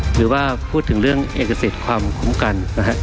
หรือว่าพูดถึงเรื่องเอกสิทธิ์ความคุ้มกันนะฮะ